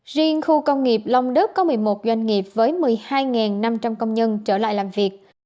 riêng khu công nghiệp long đức có một mươi một doanh nghiệp với một mươi hai năm trăm linh công nhân trở lại làm việc